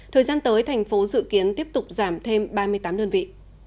thời gian tới thành phố dự kiến tiếp tục giảm thêm ba mươi tám đơn vị